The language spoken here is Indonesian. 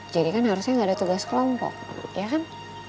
jadi kan harusnya gak ada tugas kelompok ya kan